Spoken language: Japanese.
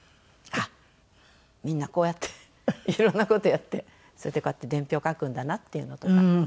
あっみんなこうやっていろんな事やってそれでこうやって伝票書くんだなっていうのとか。